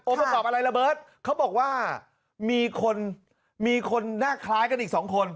ประกอบอะไรระเบิดเขาบอกว่ามีคนมีคนหน้าคล้ายกันอีกสองคน